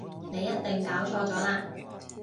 你一定搞錯咗喇